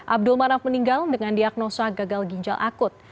abdul manaf meninggal dengan diagnosa gagal ginjal akut